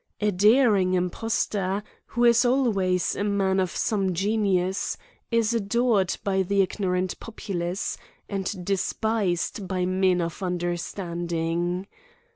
A daring impostor, who is always a man of some genius, is adored by the ignorant populace, and despised by men of understanding.